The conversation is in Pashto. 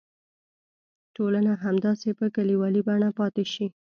ټولنه همداسې په کلیوالي بڼه پاتې شي.